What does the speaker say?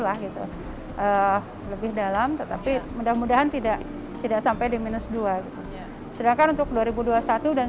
lah gitu lebih dalam tetapi mudah mudahan tidak tidak sampai di minus dua sedangkan untuk dua ribu dua puluh satu dan